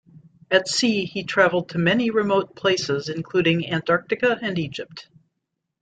At sea he traveled to many remote places, including Antarctica and Egypt.